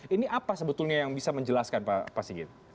ini apa sebetulnya yang bisa menjelaskan pak sigit